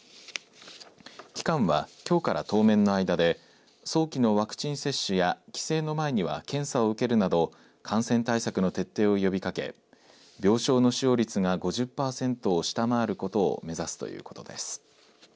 期間は、きょうから当面の間で早期のワクチン接種や帰省の前には検査を受けるなど感染対策の徹底を呼びかけ病床の使用率が５０パーセントを下回ることを目指すということです。